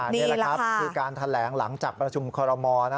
นี่แหละครับคือการแถลงหลังจากประชุมคอรมอล